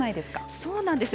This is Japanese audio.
そうなんですよ。